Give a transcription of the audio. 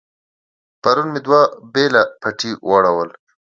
پرون مې دوه بېله پټي واړول.